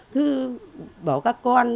thứ bảo các con